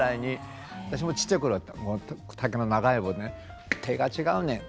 私もちっちゃい頃は竹の長い棒でね「手が違うねん！